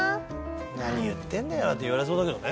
「何言ってんだよ」って言われそうだけどね。